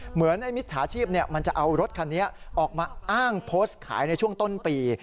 เหมือนไอ้มิจฉาชีพมันจะเอารถคันนี้ออกมาอ้างโพสต์ขายในช่วงต้นปี